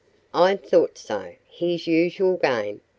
"I thought so. His usual game.